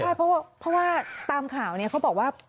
ใช่เพราะว่าตามข่าวเนี่ยเขาบอกว่า